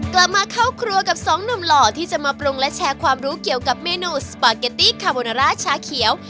กลับมาเข้าครัวกับสองหนุ่มหล่อที่จะมาปรุงและแชร์ความรู้เกี่ยวกับเมนูสปาเกตตี้คาโบนาร่าชาเขียว